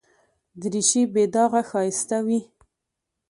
دریشي بې داغه ښایسته وي.